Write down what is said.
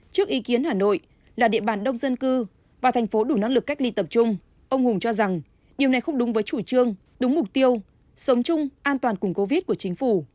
trước ý kiến hà nội là địa bàn đông dân cư và thành phố đủ năng lực cách ly tập trung ông hùng cho rằng điều này không đúng với chủ trương đúng mục tiêu sống chung an toàn cùng covid của chính phủ